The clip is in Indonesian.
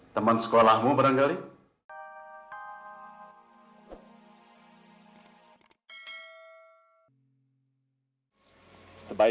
teman sekolahmu barangkali